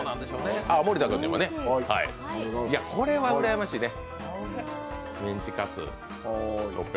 これはうらやましいね。